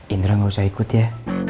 indra gak usah ikut ya